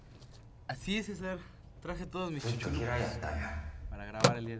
ずっと嫌いやったんや。